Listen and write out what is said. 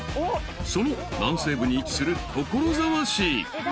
［その南西部に位置する所沢市］